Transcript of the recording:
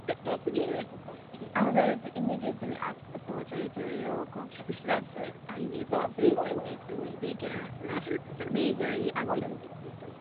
Athens immediately asked for territorial compensations and even threatened it would begin military actions.